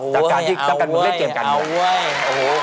จากการเกมการเมืองเล่นเกมการเมือง